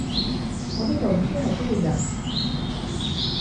我呢度已經係星期日